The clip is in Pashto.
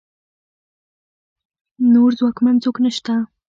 نور ځواکمن څوک نشته